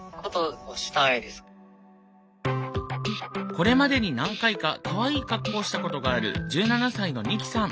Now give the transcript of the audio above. これまでに何回かかわいい格好をしたことがある１７歳のニキさん。